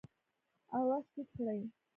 آواز ټیټ کړئ